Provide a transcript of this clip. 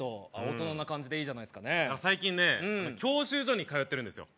大人な感じでいいじゃないっすか最近ね教習所に通ってるんですよ